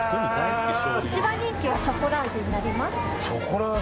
一番人気はショコラ味になります。